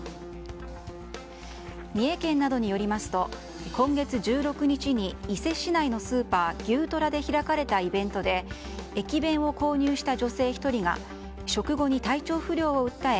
三重県などによりますと今月１６日に伊勢市内のスーパーぎゅーとらで開かれたイベントで駅弁を購入した女性１人が食後に体調不良を訴え